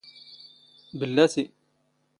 ⴱⵍⵍⴰⵜⵉ.